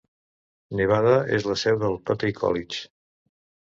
Nevada és la seu del Cottey College.